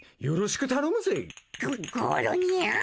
よろしく頼むぜぃ！